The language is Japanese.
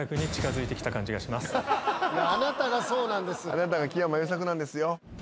あなたが木山裕策なんですよ。